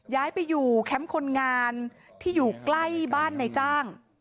ย้ายไปอยู่แคมป์คนงานที่อยู่ใกล้บ้านในจ้าง